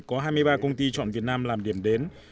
có hai mươi ba công ty chọn việt nam làm điểm đến